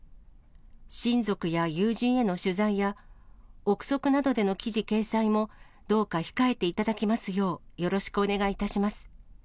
親族や友人への取材や、臆測などでの記事掲載もどうか控えていただきますようよろしくお願いいたします。